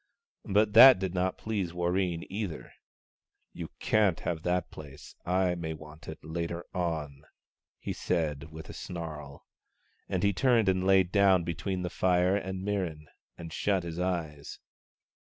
But that did not please Warreen either. " You can't have that place — I may want it later on," he said, with a snarl. And he turned and lay down between the fire and Mirran, and shut his eyes.